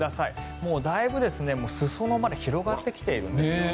もうだいぶ裾野まで広がってきているんですよね。